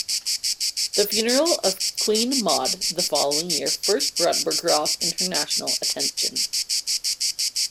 The funeral of Queen Maud the following year first brought Berggrav international attention.